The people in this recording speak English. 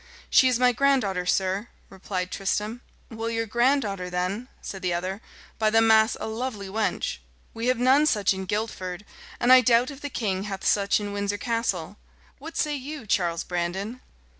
"She is my granddaughter, sir," replied Tristram. "Well, your granddaughter, then," said the other; "by the mass, a lovely wench. We have none such in Guildford, and I doubt if the king hath such in Windsor Castle. What say you, Charles Brandon?"